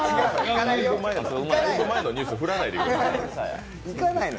だいぶ前のニュースを振らないでください。